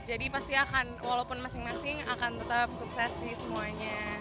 jadi pasti akan walaupun masing masing akan tetap sukses sih semuanya